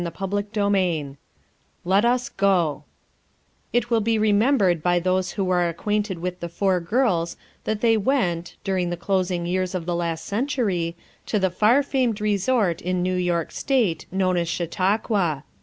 CHAPTER n "let us go" It will be remembered by those who are ac quainted with the "Four Girls" that they went, during the closing years of the last century, to the far famed resort in New York state known as Chautauqua.